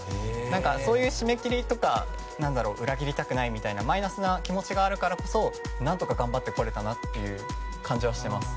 そういう締め切りとか裏切りたくないみたいなマイナスな気持ちがあるからこそ何とか頑張ってこれたなという感じはしています。